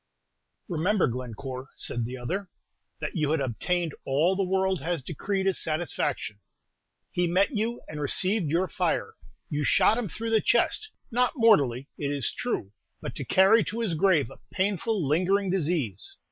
"Remember, Glencore," said the other, "that you had obtained all the world has decreed as satisfaction. He met you and received your fire; you shot him through the chest, not mortally, it is true, but to carry to his grave a painful, lingering disease.